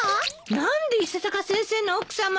何で伊佐坂先生の奥さまが？